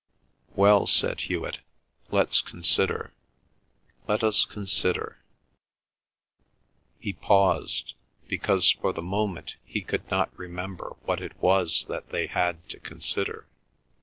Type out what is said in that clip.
"Well," said Hewet, "let's consider. Let us consider—" He paused, because for the moment he could not remember what it was that they had to consider.